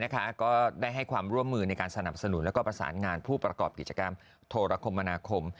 ก็ได้ให้ความร่วมมือในการสนับสนุนและประสานงานผู้ประกอบกิจกรรมโทรคมมนาคม